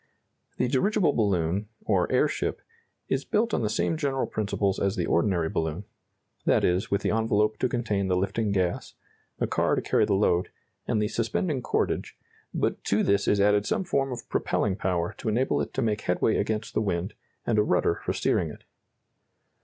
The dirigible balloon, or airship, is built on the same general principles as the ordinary balloon that is, with the envelope to contain the lifting gas, the car to carry the load, and the suspending cordage but to this is added some form of propelling power to enable it to make headway against the wind, and a rudder for steering it.